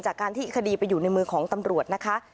จากการที่คดีไปอยู่ในมือของตำรวจนะคะ